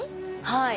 はい。